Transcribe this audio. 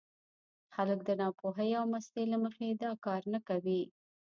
خلک د ناپوهۍ او مستۍ له مخې دا کار نه کوي.